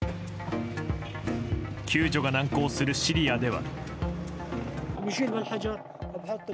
救助が難航するシリアでは。